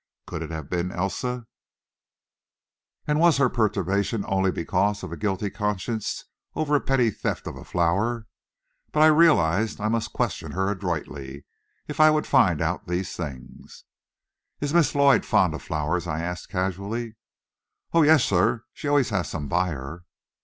Could it have been Elsa, and was her perturbation only because of a guilty conscience over a petty theft of a flower? But I realized I must question her adroitly if I would find out these things. "Is Miss Lloyd fond of flowers?" I asked, casually. "Oh, yes, sir, she always has some by her."